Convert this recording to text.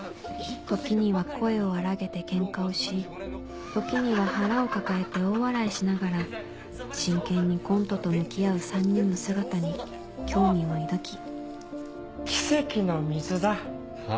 時には声を荒らげてケンカをし時には腹を抱えて大笑いしながら真剣にコントと向き合う３人の姿に興味を抱き「奇跡の水」だ。はぁ？